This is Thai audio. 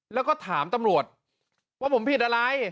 แล้วก็ถามตำรวจว่าผมผิดอะไร